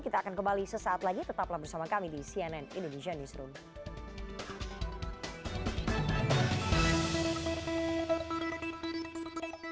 kita akan kembali sesaat lagi tetaplah bersama kami di cnn indonesian newsroom